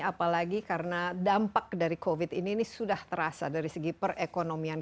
apalagi karena dampak dari covid ini ini sudah terasa dari segi perekonomian